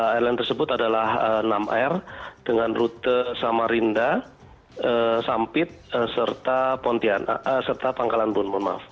airline tersebut adalah enam r dengan rute samarinda sampit serta pangkalanbun